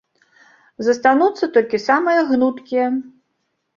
Застануцца толькі самыя гнуткія.